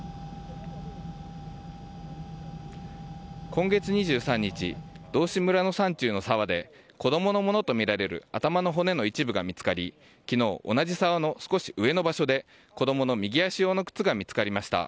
今月２３日道志村の山中の沢で子供のものとみられる頭の骨の一部が見つかり昨日、同じ沢の少し上の場所で子供の右足用の靴が見つかりました。